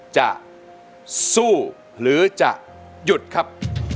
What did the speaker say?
จะสู้หรือจะหยุดครับ